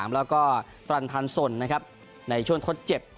แล้วก็ตรันทันสนนะครับในช่วงทดเจ็บ